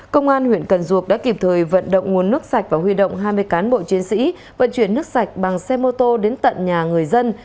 công an huyện cần duộc đã kịp thời vận động nguồn nước sạch và huy động hai mươi cán bộ chiến sĩ vận chuyển nước sạch bằng xe mô tô đến tận nhà người dân